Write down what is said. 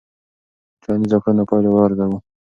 د ټولنیزو کړنو پایلې وارزوه.